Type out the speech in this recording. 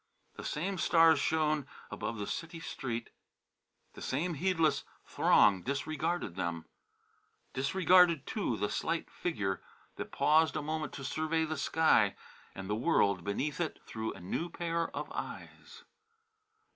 The same stars shone above the city street; the same heedless throng disregarded them; disregarded, too, the slight figure that paused a moment to survey the sky and the world beneath it through a new pair of eyes.